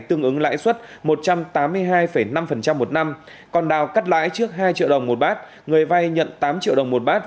tương ứng lãi suất một trăm tám mươi hai năm một năm còn đào cắt lãi trước hai triệu đồng một bát người vay nhận tám triệu đồng một bát